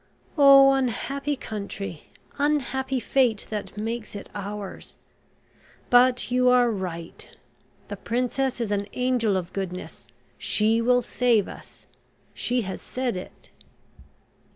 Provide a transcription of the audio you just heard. Oh, unhappy country, unhappy fate that makes it ours! But you are right. The Princess is an angel of goodness; she will save us. She has said it."